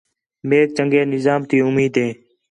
میک چَنڳے نظام تی اُمید ہے